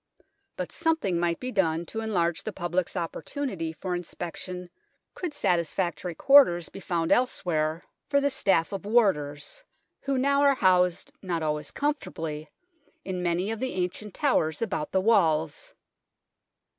But something might be done to enlarge the public's opportunity for inspection could satisfactory quarters be found else ENTRANCE TOWERS 155 where for the staff of warders, who now are housed, not always comfortably, in many of the ancient towers about the walls.